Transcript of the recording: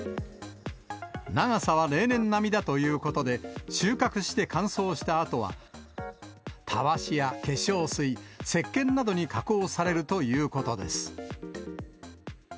長さは例年並みだということで、収穫して乾燥したあとは、たわしや化粧水、せっけんなどに加工されるということです。